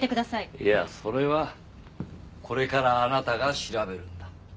いやそれはこれからあなたが調べるんだ。